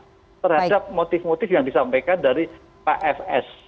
terhadap motif motif yang disampaikan dari pak fs